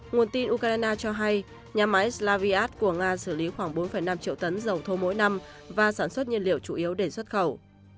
nguồn tin ukraine cho hay nhà máy slaviat của nga xử lý khoảng bốn năm triệu tấn dầu thô mỗi năm và sản xuất nhiên liệu chủ yếu để xuất khẩu